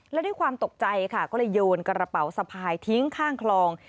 และด้วยความตกใจค่ะก็เลยโยนกระเป๋าสะพายทิ้งข้างคลอง